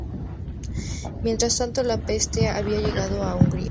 Mientras tanto, la peste había llegado a Hungría.